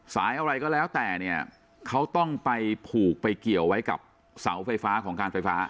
อะไรก็แล้วแต่เนี่ยเขาต้องไปผูกไปเกี่ยวไว้กับเสาไฟฟ้าของการไฟฟ้า